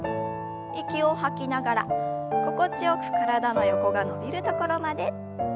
息を吐きながら心地よく体の横が伸びるところまで。